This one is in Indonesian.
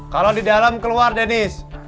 kalo di dalam keluar dennis